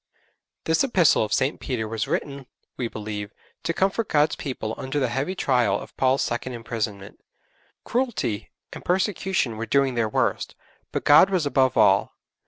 This Epistle of St. Peter was written, we believe, to comfort God's people under the heavy trial of Paul's second imprisonment. Cruelty and persecution were doing their worst, but God was above all.